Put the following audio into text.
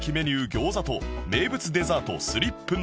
餃子と名物デザートスリップノット